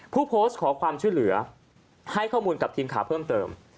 ผู้โพสต์ขอความช่วยเหลือให้ข้อมูลกับทีมข่าวเพิ่มเติม